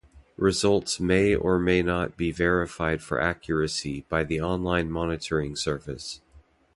Results may or may not be verified for accuracy by the online monitoring service.